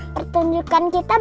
bisa ini adalah kejadianmu